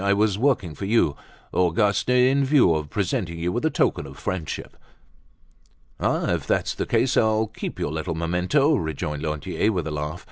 "I was working for you, Auguste, in view of presenting you with a token of friendship." "Ah, if that's the case, I'll keep your little memento!" rejoined Lantier with a laugh.